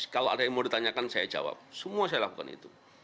kalau ada yang mau ditanyakan saya jawab semua saya lakukan itu